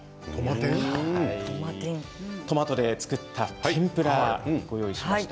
トマトで作った天ぷらをご用意しました。